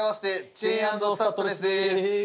チェーン＆スタッドレスです。